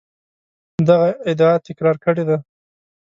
دغه ادعا تکرار کړې ده.